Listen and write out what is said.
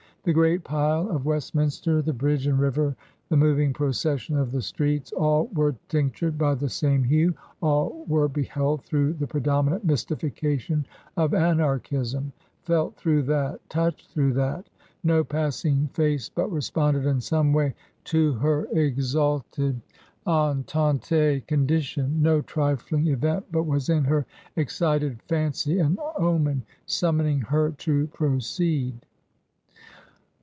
The great pile of West minster ^^^ Bridge and river, the moving procession of the stre'^^ —^^^ were tinctured by the same hue, all were behelc^^^^^S^ the predominant mystification of Anarch ism ^^^ through that, touched through that. No pass i^^ 'face but responded in some way to her exalted ^nm^^ condition, no trifling event but was in her excited ^^y an omen summoning her to proceed.